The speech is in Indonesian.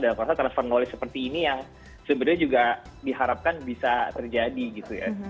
dan aku rasa transfer knowledge seperti ini yang sebenarnya juga diharapkan bisa terjadi gitu ya